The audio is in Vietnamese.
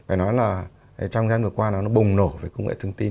phải nói là trong thời gian vừa qua nó bùng nổ về công nghệ thông tin